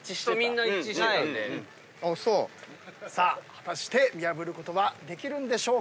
さあ果たして見破ることはできるんでしょうか？